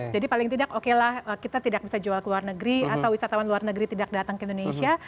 jadi paling tidak okelah kita tidak bisa jual ke luar negeri atau wisatawan luar negeri tidak datang ke indonesia